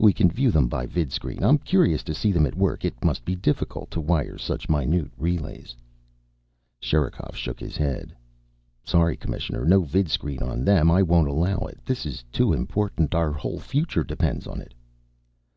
"We can view them by vidscreen. I'm curious to see them at work. It must be difficult to wire such minute relays." Sherikov shook his head. "Sorry, Commissioner. No vidscreen on them. I won't allow it. This is too important. Our whole future depends on it."